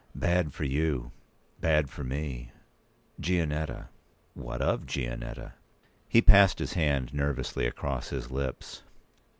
"Bad for you—bad for me. Gianetta." "What of Gianetta?" He passed his hand nervously across his lips.